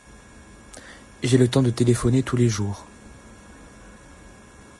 J’ai le temps de téléphoner tous les jours.